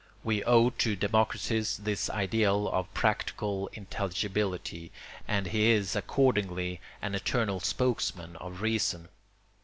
We owe to Democritus this ideal of practical intelligibility; and he is accordingly an eternal spokesman of reason.